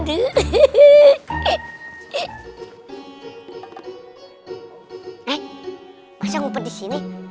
eh masa ngumpet disini